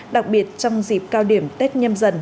đặc biệt trong dịp cao điểm tết nhâm dần hai nghìn hai mươi hai